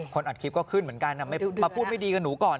อัดคลิปก็ขึ้นเหมือนกันมาพูดไม่ดีกับหนูก่อน